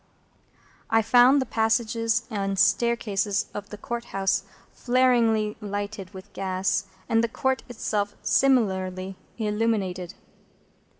I found the passages and staircases of the Court House flaringly lighted with gas, and the Court itself similarly illuminated.